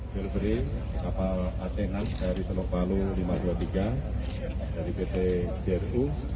jelabri kapal atenan dari teluk palu lima ratus dua puluh tiga dari pt jru